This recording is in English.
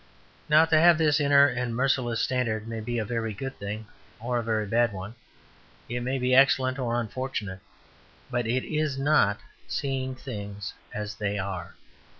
Now, to have this inner and merciless standard may be a very good thing, or a very bad one, it may be excellent or unfortunate, but it is not seeing things as they are.